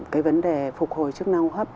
cái vấn đề phục hồi chức năng hấp